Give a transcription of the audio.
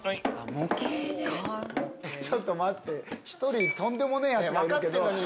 ちょっと待って１人とんでもねえヤツがいる。